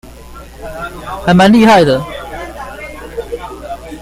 還蠻厲害的